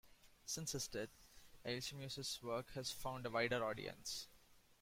Since his death, Eilshemius's work has found a wider audience.